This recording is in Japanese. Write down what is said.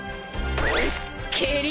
けり